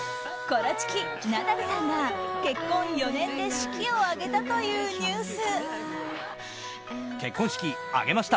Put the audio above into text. コロチキ、ナダルさんが結婚４年で式を挙げたというニュース。